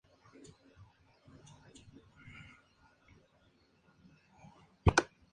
Se construyeron nuevas infraestructuras para la educación, salud, agricultura, transporte, comercio, servicios y administración.